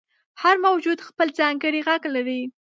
• هر موجود خپل ځانګړی ږغ لري.